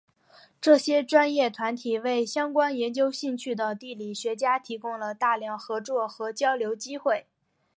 这些专业团体为相关研究兴趣的地理学家提供了大量合作和交流机会。